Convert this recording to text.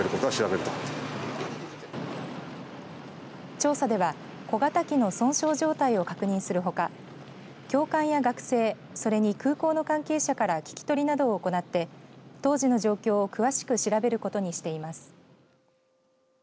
調査では小型機の損傷状態を確認するほか教官や学生それに空港の関係者から聞き取りなどを行って当時の状況を詳しく調べることにしています。